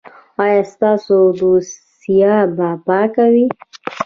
ایا ستاسو دوسیه به پاکه وي؟